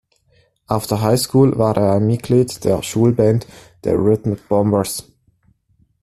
Auf der High School war er Mitglied der Schulband "The Rhythm Bombers".